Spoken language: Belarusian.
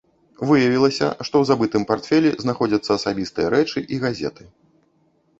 Выявілася, што ў забытым партфелі знаходзяцца асабістыя рэчы і газеты.